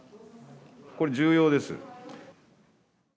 これ、重要ですよ。